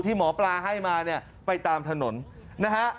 ที่หมอปลาให้มาเนี่ยไปตามถนนนะฮะ